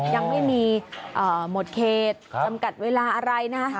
อ๋อยังไม่มีเอ่อหมดเขตครับจำกัดเวลาอะไรนะครับ